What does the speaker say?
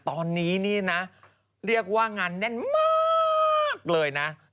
ตอนนี้นี่นะเรียกว่างานแน่นมากเลยนะ